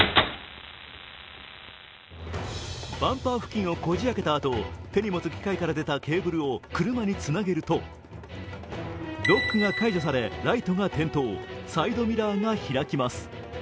バンパー付近をこじ開けたあと手に持つ道具から出るものをつなげるとロックが解除され、ランプが点灯、サイドミラーが開きます。